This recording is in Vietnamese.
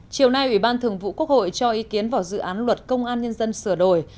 chiều nay ủy ban thường vụ quốc hội cho ý kiến vào dự án luật công an nhân dân sửa đổi